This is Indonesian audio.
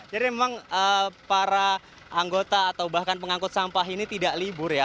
jadi memang para anggota atau bahkan pengangkut sampah ini tidak libur ya